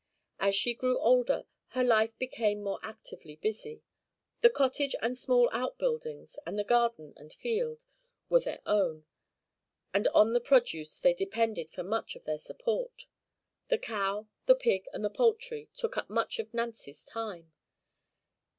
As she grew older, her life became more actively busy. The cottage and small outbuildings, and the garden and field, were their own; and on the produce they depended for much of their support. The cow, the pig, and the poultry took up much of Nancy's time.